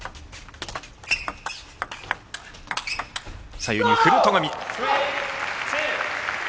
左右に振る戸上。